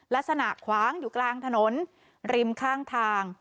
ลักษณะคว้างอยู่กลางถนนริมข้างทาง